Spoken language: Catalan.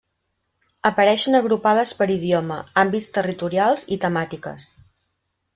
Apareixen agrupades per idioma, àmbits territorials i temàtiques.